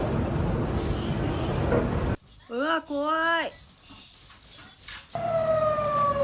うわぁ、怖い。